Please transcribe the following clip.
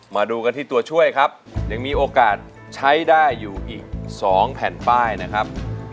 มาดูกันที่ตัวช่วยครับยังมีโอกาสใช้ได้อยู่อีก๒แผ่นป้ายนะครับ